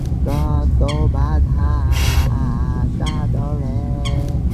আমাদের জন্যে যে এতটা হাঙ্গাম হচ্ছে সে তো গৌরবের কথা।